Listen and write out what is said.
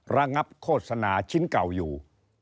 ระงับโฆษณาชิ้นเก่าอยู่